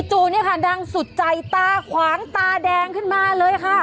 จู่เนี่ยค่ะดังสุดใจตาขวางตาแดงขึ้นมาเลยค่ะ